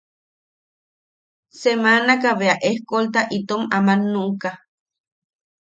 Semaanaka bea escolta itom aman nuʼuka.